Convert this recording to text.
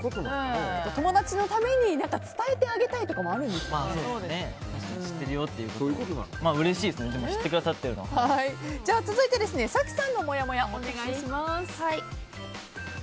友達のために伝えてあげたいとかうれしいですけど続いて早紀さんのもやもやお願いします。